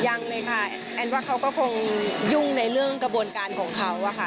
ยังเลยค่ะแอนว่าเขาก็คงยุ่งในเรื่องกระบวนการของเขาอะค่ะ